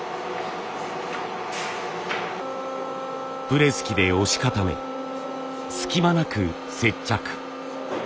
プレス機で押し固め隙間なく接着。